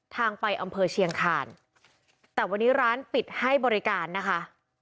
ทางไปอำเภอเชียงคานแต่วันนี้ร้านปิดให้บริการนะคะ